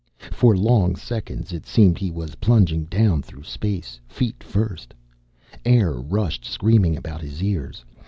For long seconds, it seemed, he was plunging down through space, feet first. Air rushed screaming about his ears.